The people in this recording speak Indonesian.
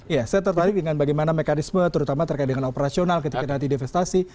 ya saya tertarik dengan bagaimana mekanisme terutama terkait dengan operasional ketika nanti divestasi